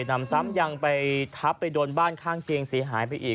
นำซ้ำยังไปทับไปโดนบ้านข้างเกงเสียหายไปอีก